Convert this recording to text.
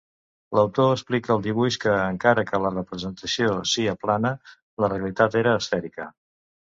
L'autor explica al dibuix que, encara que la representació sia plana, la realitat era esfèrica.